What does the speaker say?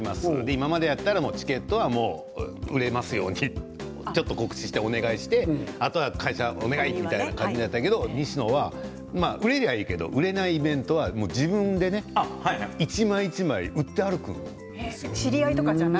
今までならチケットを売れますように告知をお願いして、あとは会社お願いという感じだけど西野は売れればいいけど売れないイベントは自分でね一枚一枚売って歩くんですよ。